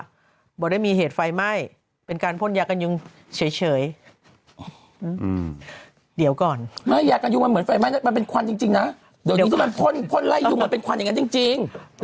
ว่าไม่ได้มีเหตุไฟไหม้เป็นการพ่นยากกันยุ่งเฉยเดี๋ยวก่อนมันเป็นควันจริงนะ